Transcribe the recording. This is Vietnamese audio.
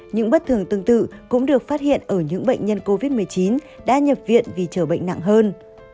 những bất thường tương tự cũng được phát hiện ở những bệnh nhân covid một mươi chín đã nhập viện vì chờ bệnh nặng hơn